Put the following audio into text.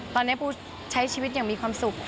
ตอนนี้ปูใช้ชีวิตอย่างมีความสุข